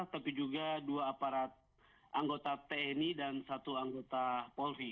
tapi juga dua aparat anggota tni dan satu anggota polri